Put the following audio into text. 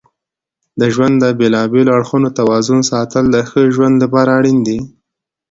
د ژوند د بیلابیلو اړخونو توازن ساتل د ښه ژوند لپاره اړین دي.